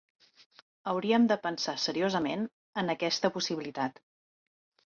Hauríem de pensar seriosament en aquesta possibilitat.